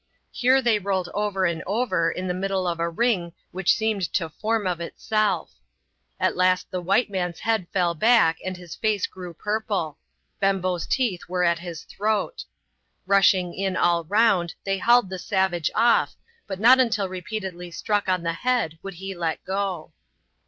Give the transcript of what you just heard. Here they rolled over and over in the middle of a ring which seemed to form of itself. At last the white man's head fell back, and his face grew purple. Bembo's teeth were at his throat. Bushing in all round, they hauled the savage o% but not until repeatedly struck on the head would he let go.